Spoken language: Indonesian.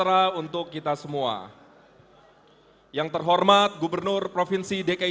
buldukku tidak bisa